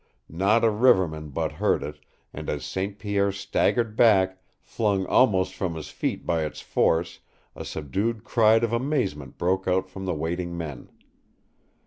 Not a riverman but heard it, and as St. Pierre staggered back, flung almost from his feet by its force, a subdued cry of amazement broke from the waiting men.